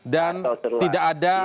dan tidak ada